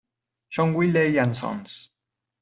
John Wiley and Sons.